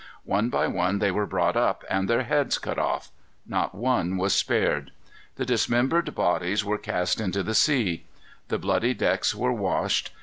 One by one they were brought up, and their heads cut off. Not one was spared. The dismembered bodies were cast into the sea. The bloody decks were washed.